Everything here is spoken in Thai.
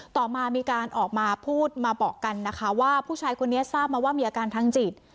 ต่อมามีการออกมาพูดมาบอกกันนะคะว่าผู้ชายคนนี้ทราบมาว่ามีอาการทางจิต